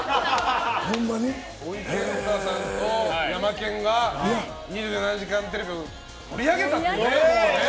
ほいけんたさんとヤマケンが「２７時間テレビ」を盛り上げたというね。